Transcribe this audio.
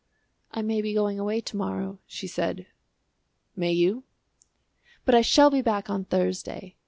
"I may be going away to morrow," she said. "May you?" "But I shall be back on Thursday.